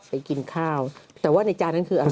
กินข้าวแต่ว่าในจานนั้นคืออะไร